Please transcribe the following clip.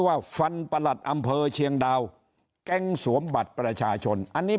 ว่าฟันประหลัดอำเภอเชียงดาวแก๊งสวมบัตรประชาชนอันนี้